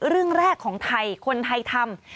เรื่องแรกของไทยคนไทยทำ